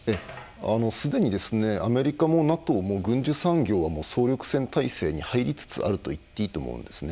すでにアメリカもＮＡＴＯも軍需産業の総力戦体制に入りつつあるといっていいと思うんですね。